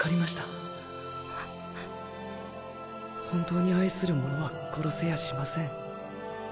本当に愛するものは殺せやしません。